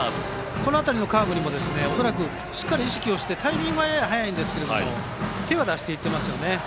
この辺りのカーブにもしっかり意識をしてタイミングはやや早いですが手は出しています。